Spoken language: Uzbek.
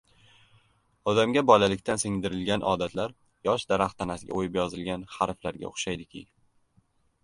Odamga bolalikdan singdirilgan odatlar yosh daraxt tanasiga o‘yib yozilgan harflarga o‘xshaydiki